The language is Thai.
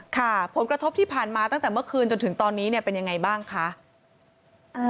ค่ะผลกระทบที่ผ่านมาตั้งแต่เมื่อคืนจนถึงตอนนี้เนี่ยเป็นยังไงบ้างคะ